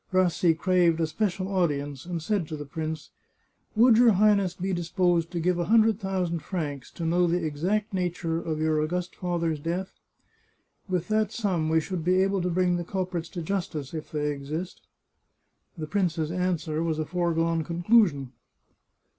Rassi craved a special audience, and said to the prince :" Would your Highness be disposed to give a hundredl 447 The Chartreuse of Parma thousand francs to know the exact nature of your august father's death? With that sum we should be able to bring the culprits to justice, if they exist." The prince's answer was a foregone conclusion.